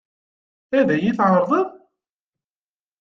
Ad iyi-t-yeɛṛeḍ?